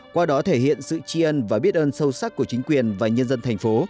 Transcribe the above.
qua đó thể hiện sự tri ân và biết ơn sâu sắc của chính quyền và nhân dân thành phố